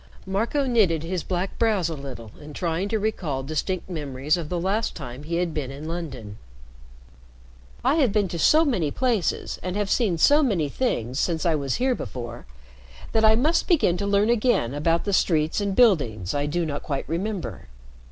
Marco knitted his black brows a little in trying to recall distinct memories of the last time he had been in London. "I have been to so many places, and have seen so many things since I was here before, that I must begin to learn again about the streets and buildings I do not quite remember."